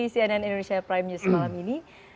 di cnn indonesia prime news malam ini